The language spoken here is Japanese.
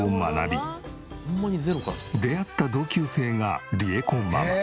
出会った同級生がりえこママ。